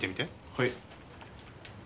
はい。